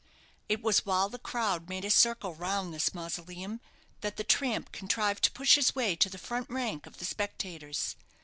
It was while the crowd made a circle round this mausoleum that the tramp contrived to push his way to the front rank of the spectators.